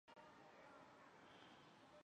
东亚管理学院亚洲分校。